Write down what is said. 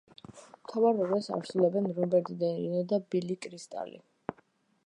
მთავარ როლებს ასრულებენ რობერტ დე ნირო და ბილი კრისტალი.